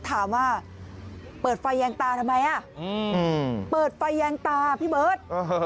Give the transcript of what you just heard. ถามว่าเปิดไฟแยงตาทำไมเปิดไฟแยงตาพี่เบิร์ต